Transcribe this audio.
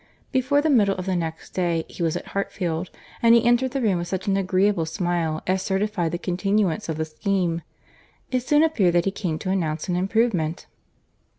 Before the middle of the next day, he was at Hartfield; and he entered the room with such an agreeable smile as certified the continuance of the scheme. It soon appeared that he came to announce an improvement.